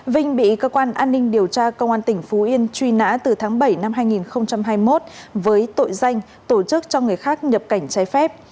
vinh bị cơ quan an ninh điều tra công an tỉnh phú yên truy nã từ tháng bảy năm hai nghìn hai mươi một với tội danh tổ chức cho người khác nhập cảnh trái phép